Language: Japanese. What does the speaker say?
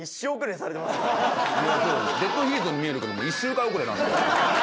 デッドヒートに見えるけど周回遅れなんだよ。